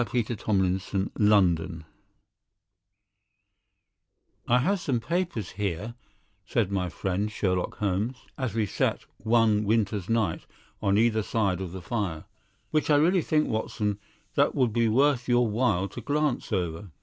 The "Gloria Scott" "I have some papers here," said my friend Sherlock Holmes, as we sat one winter's night on either side of the fire, "which I really think, Watson, that it would be worth your while to glance over.